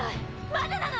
「まだなの⁉」